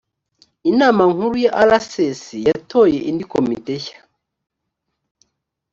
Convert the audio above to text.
inama nkuru ya rcs yatoye indi komite shya